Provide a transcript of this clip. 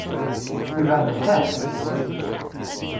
Yebεed lḥal?